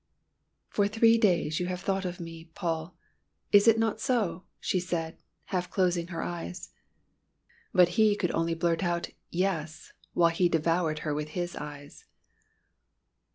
"For three days you have thought of me, Paul is it not so?" she said, half closing her lids. But he could only blurt out "Yes!" while he devoured her with his eyes.